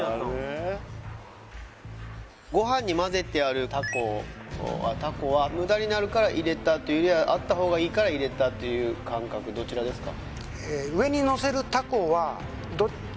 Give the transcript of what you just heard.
ご飯にまぜてあるたこは無駄になるから入れたというよりはあった方がいいから入れたという感覚どちらですか？